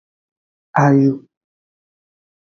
Ayu.